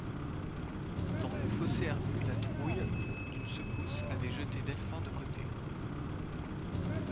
Dans le fossé herbu, la Trouille, d’une secousse, avait jeté Delphin de côté.